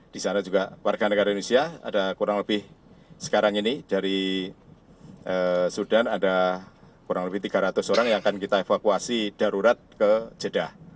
di sana juga warga negara indonesia ada kurang lebih sekarang ini dari sudan ada kurang lebih tiga ratus orang yang akan kita evakuasi darurat ke jeddah